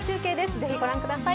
ぜひ、ご覧ください。